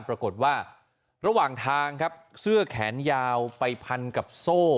ปรากฏว่าระหว่างทางครับเสื้อแขนยาวไปพันกับโซ่